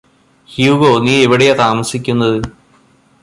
Hugo നീ എവിടെയാ താമസിക്കുന്നത്